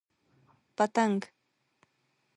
🦋 پتنګ